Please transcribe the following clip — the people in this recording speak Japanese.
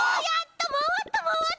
まわったまわった！